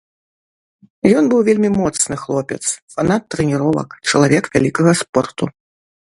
Ён быў вельмі моцны хлопец, фанат трэніровак, чалавек вялікага спорту.